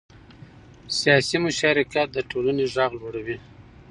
سیاسي مشارکت د ټولنې غږ لوړوي